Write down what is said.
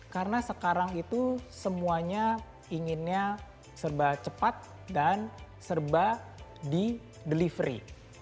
karena sekarang itu semuanya inginnya serba cepat dan serba di delivery